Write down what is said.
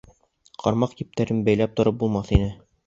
Ҡармаҡ ептәрен бәйләп тороп булмаҫ инде.